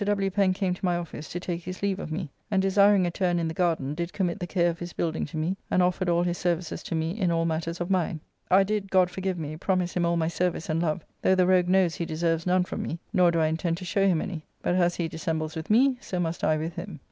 Pen came to my office to take his leave of me, and desiring a turn in the garden, did commit the care of his building to me, and offered all his services to me in all matters of mine. I did, God forgive me! promise him all my service and love, though the rogue knows he deserves none from me, nor do I intend to show him any; but as he dissembles with me, so must I with him.